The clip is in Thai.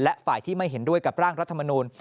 และฝ่ายที่ไม่เห็นด้วยกับร่างรัฐมนูล